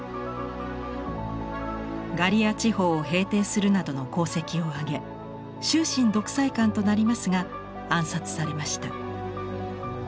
ガリア地方を平定するなどの功績を挙げ終身独裁官となりますが暗殺されました。